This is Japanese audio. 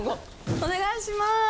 お願いします。